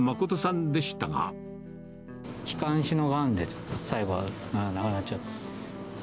気管支のがんで、最後は亡くなっちゃって。